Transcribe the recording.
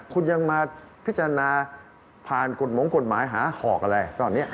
คุณยังมาพิจารณาผ่านกฎหมงกฎหมายหาหอกอะไรตอนนี้